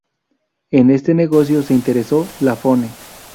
En ese negocio se interesó Lafone.